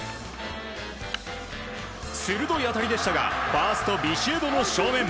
鋭い当たりでしたがファースト、ビシエドの正面。